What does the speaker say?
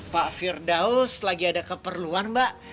pak firdaus lagi ada keperluan mbak